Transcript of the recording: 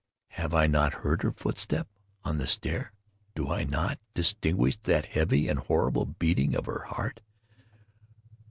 Have I not heard her footstep on the stair? Do I not distinguish that heavy and horrible beating of her heart?